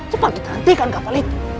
cuma kita hentikan kapal itu